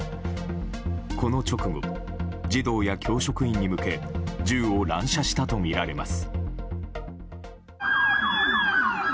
この直後、児童や教職員に向け銃を乱射したとみられています。